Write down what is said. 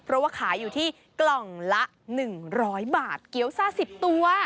เพราะว่าขายอยู่ที่กล่องละ๑๐๐บาทเกี้ยวซ่า๑๐ตัว